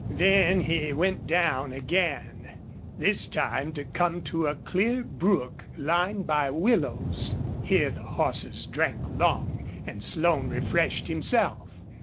Then he went down again, this time to come to a clear brook lined by willows. Here the horses drank long and Slone refreshed himself.